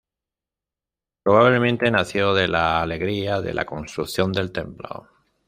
Probablemente nació de la alegría de la construcción del templo.